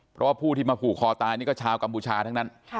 เพราะว่าผู้ที่มาผูกคอตายนี่ก็ชาวกัมพูชาทั้งนั้น